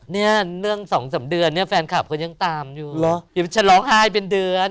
เนี่ยเรื่อง๒๓เดือนแฟนคลับเรื่องยังตามอยู่ฉันร้องไห้เป็นเดือน